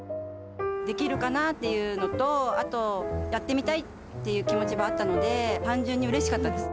できるかなっていうのと、あと、やってみたいっていう気持ちはあったので、単純にうれしかったです。